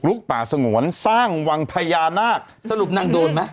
สรุปนั่งโดนไหม